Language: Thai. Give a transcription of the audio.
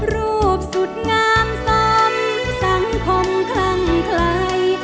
รูปสุดงามซ้ำสังคมคลั่งคลาย